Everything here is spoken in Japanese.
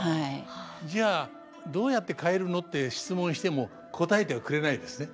じゃあどうやって変えるのって質問しても答えてはくれないですね。